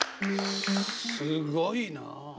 すごいな。